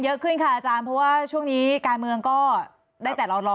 เยอะขึ้นค่ะอาจารย์เพราะว่าช่วงนี้การเมืองก็ได้แต่เรารอ